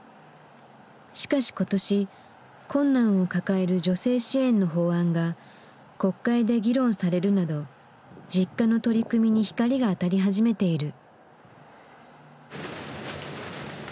しかし今年困難を抱える女性支援の法案が国会で議論されるなどＪｉｋｋａの取り組みに光が当たり始めている。